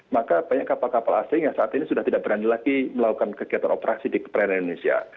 maka banyak kapal kapal asing yang saat ini sudah tidak berani lagi melakukan kegiatan operasi di perairan indonesia